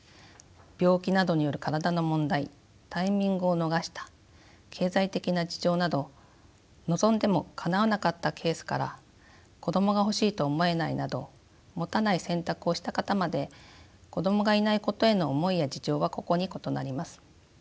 「病気などによる身体の問題」「タイミングを逃した」「経済的な事情」など望んでもかなわなかったケースから子どもが欲しいと思えないなど持たない選択をした方まで子どもがいないことへの思いや事情は個々に異なります。